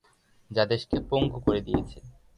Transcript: যা দেশকে পঙ্গু করে দিয়েছে।